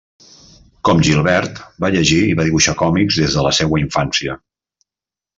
Com Gilbert, va llegir i va dibuixar còmics des de la seua infància.